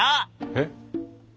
えっ？